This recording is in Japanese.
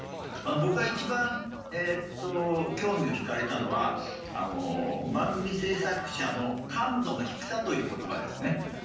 僕が一番興味を引かれたのは番組制作者の「感度の低さ」という言葉ですね。